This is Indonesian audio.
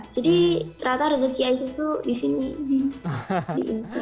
jadi ternyata rezeki aisyah itu di sini di iki